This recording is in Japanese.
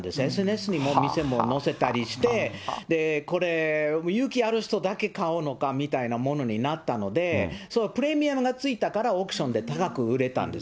ＳＮＳに店も載せたりして、これ、勇気ある人だけ買うのかみたいなものになったので、プレミアムがついたからオークションで高く売れたんです。